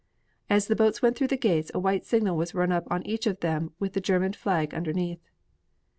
As the boats went through the gates a white signal was run up on each of them with the German flag underneath.